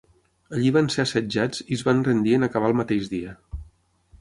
Allí van ser assetjats i es van rendir en acabar el mateix dia.